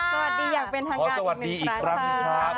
สวัสดีอยากเป็นทางงานอีกหนึ่งครับ